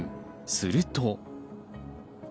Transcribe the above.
すると。